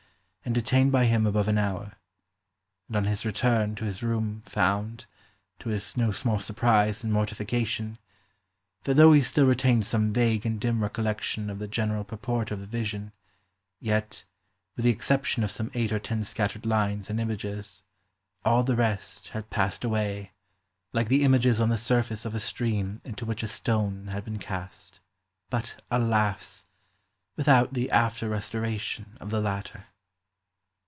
and detained by him above an hour, and on his return to his room found, to his no small surprise and mortification, that though he still retained some vague and dim recollec tion of the general purport of the vision, yet, with the ex ception of some eight or ten scattered lines and images, all the rest had passed away, like the images on the surface of a stream into which a stone had been cast. bttt. alas ! with out the after restoration of the latter.''